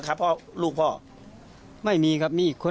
นี่ก็เอ่อมันก็ไม่พูดอะไรเลย